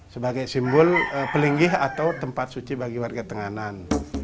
sebagai simbol pelinggih atau tempat suci bagi warga tenganan